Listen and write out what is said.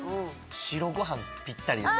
白ご飯ぴったりです。